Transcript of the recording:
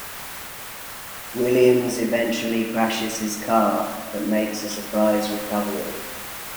Williams eventually crashes his car, but makes a surprise recovery.